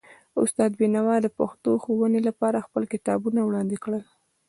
استاد بینوا د پښتو ښوونې لپاره خپل کتابونه وړاندې کړل.